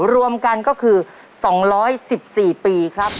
รวมกันก็คือสองร้อยสิบสี่ปีครับ